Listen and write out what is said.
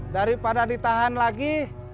daripada ditahan lagi